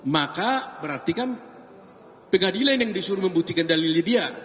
maka berarti kan pengadilan yang disuruh membuktikan dalilnya dia